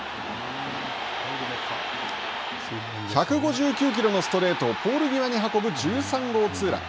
１５９キロのストレートをポール際に運ぶ１３号ツーラン。